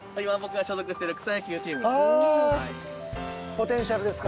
「ポテンシャル」ですか？